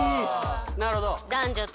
なるほど。